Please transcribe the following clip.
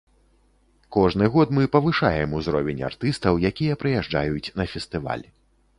Кожны год мы павышаем ўзровень артыстаў, якія прыязджаюць на фестываль.